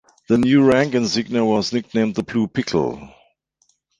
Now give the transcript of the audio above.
The new rank insignia was nicknamed "the blue pickle".